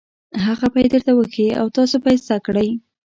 هغه به یې درته وښيي او تاسو به یې زده کړئ.